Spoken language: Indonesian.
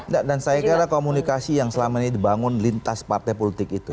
enggak dan saya kira komunikasi yang selama ini dibangun lintas partai politik itu